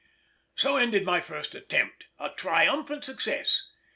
So ended my first attempt, a triumphant success!